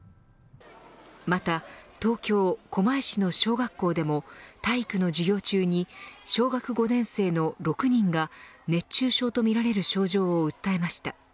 また、東京狛江市の小学校でも体育の授業中に小学５年生の６人が熱中症とみられる症状を訴えました。